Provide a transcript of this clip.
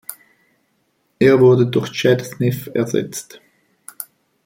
Er wurde durch Chad Smith ersetzt.